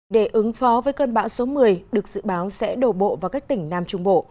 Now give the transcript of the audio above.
để ứng phó với cơn bão số một mươi được dự báo sẽ đổ bộ vào các tỉnh nam trung bộ